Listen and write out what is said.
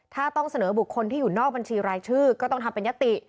ถ้าต้องเสนอบุคคลที่อยู่นอกบัญชีรายชื่อก็ต้องทำเป็นยติ